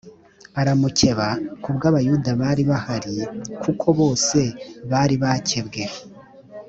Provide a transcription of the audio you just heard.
aramukeba ku bw Abayuda bari bahari kuko bose bari bakebwe